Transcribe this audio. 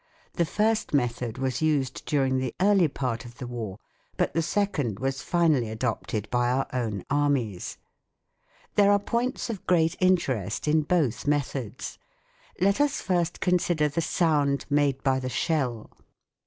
The first method was used during the early part of the war, but the second was finally adopted b} r our own armies. There are points of great interest in both methods. Let us first consider the sound made by the shell.